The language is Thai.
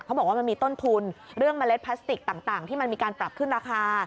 มันมีต้นทุนเรื่องเมล็ดพลาสติกต่างที่มันมีการปรับขึ้นราคา